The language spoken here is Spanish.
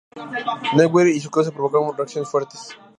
Newkirk y su causa provocaron reacciones fuertes.